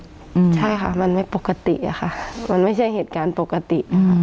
ใช่ค่ะมันไม่ปกติอะค่ะมันไม่ใช่เหตุการณ์ปกตินะคะ